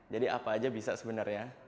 jadi apa saja bisa sebenarnya